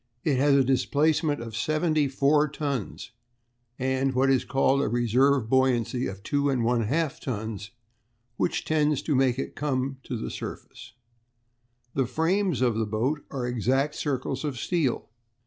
It has a displacement of seventy four tons, and what is called a reserve buoyancy of 2 1/2 tons which tends to make it come to the surface. Pearson's Magazine. "The frames of the boat are exact circles of steel.